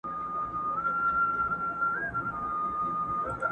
چي زنځیر زما شاعر سي او زندان راته شاعر کړې.